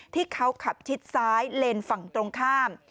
ที่เขาขับชิดซ้ายเลนส์ฝั่งตรงข้าม